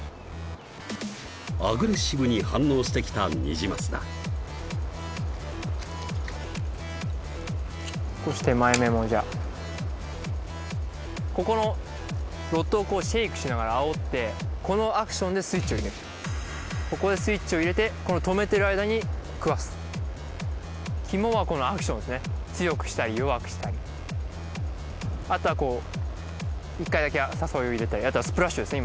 アグレッシブに反応してきたニジマスだ少し手前めもじゃあここのロッドをこうシェイクしながらあおってこのアクションでスイッチを入れるここでスイッチを入れてこの止めてる間に食わす肝はこのアクションですね強くしたり弱くしたりあとはこう１回だけ誘いを入れたりあとはスプラッシュですね